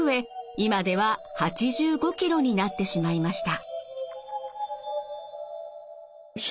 今では８５ｋｇになってしまいました。